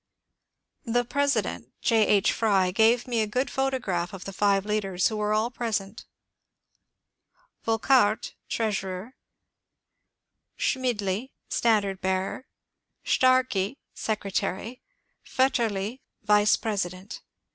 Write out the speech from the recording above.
The president, J. H. Frey, gave me a good photograph of the five leaders, who were all present : Yolckardt, treasurer ; Schmidli, standard bearer ; Starki, secretary ; Yetterli, vice president.